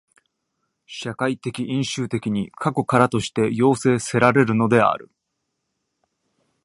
社会的因襲的に過去からとして要請せられるのである。